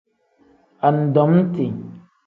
Anidomiti.